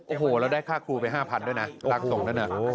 โอ้โฮแล้วได้ฆ่าครูไป๕๐๐๐ด้วยนะลักษงแล้วนะ